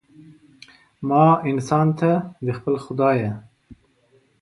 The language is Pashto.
ما انسان ته، د خپل خدایه